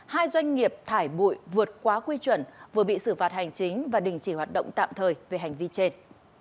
hai doanh nghiệp thải bụi vượt quá quy chuẩn vừa bị xử phạt hành chính và đình chỉ hoạt động tạm thời về hành vi trên